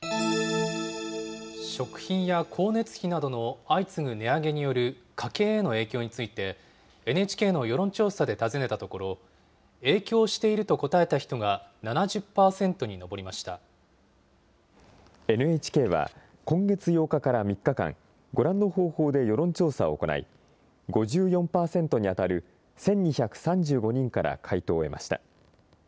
食品や光熱費などの相次ぐ値上げによる家計への影響について、ＮＨＫの世論調査で尋ねたところ、影響していると答えた人が７０％ＮＨＫは、今月８日から３日間、ご覧の方法で世論調査を行い、５４％に当たる１２３５人から回答を得ました。